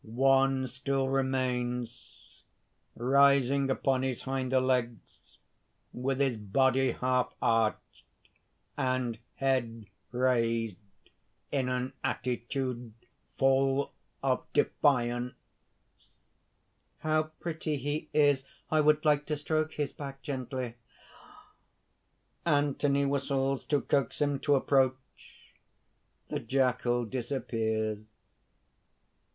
_ _One still remains, rising upon his hinder legs, with his body half arched and head raised in an attitude full of defiance._) "How pretty he is! I would like to stroke his back gently!" (_Anthony whistles to coax him to approach. The jackal disappears.